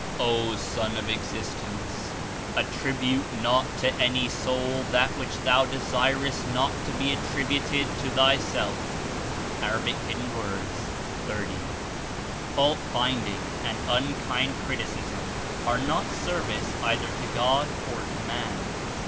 ''O Son of Existence/ Attribute not to any soul that lihich thou desirest not to be attributed to thy self." (A. 30.) Fault finding and unkind criticism are not service either to God or to man.